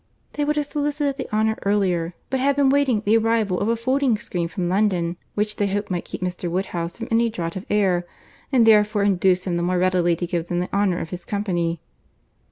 "They would have solicited the honour earlier, but had been waiting the arrival of a folding screen from London, which they hoped might keep Mr. Woodhouse from any draught of air, and therefore induce him the more readily to give them the honour of his company."